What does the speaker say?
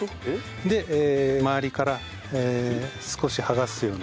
で周りから少し剥がすような。